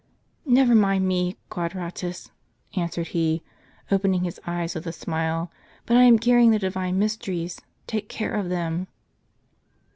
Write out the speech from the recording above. " "Never mind me, Quadratus," answei'ed he, opening his eyes with a smile ;" but I am carrying the divine mysteries ; take care of them."